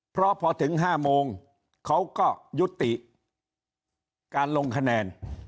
เพราะพอถึง๕โมงเขาก็ยุติการลงคะแนน